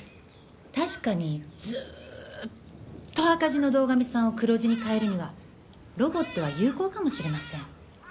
確かにずーっと赤字の堂上さんを黒字に変えるにはロボットは有効かもしれません。